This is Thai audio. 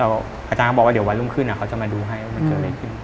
อาจารย์เขาบอกว่าเดี๋ยววันรุ่งขึ้นเขาจะมาดูให้ว่ามันเกิดอะไรขึ้น